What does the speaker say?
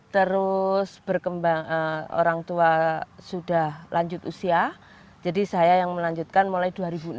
terus berkembang orang tua sudah lanjut usia jadi saya yang melanjutkan mulai dua ribu enam